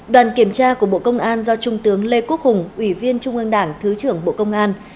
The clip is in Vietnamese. đoàn kiểm tra của bộ công an do trung tướng lê quốc hùng ủy viên trung ương đảng thứ trưởng bộ công an